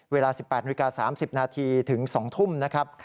เวลา๑๘๓๐นถึง๒ทุ่มนะครับ